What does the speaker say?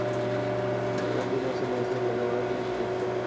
তাই তিন বছর আগেই মনস্থির করি পড়ালেখার পাশাপাশি কিছু একটা করা চাই।